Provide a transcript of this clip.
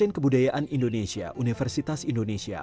kebudayaan indonesia universitas indonesia